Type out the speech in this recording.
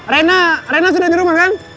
rena rena sudah di rumah kan